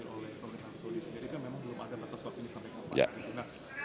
oleh pemerintahan saudi sendiri kan memang belum ada batas waktu ini sampai kapan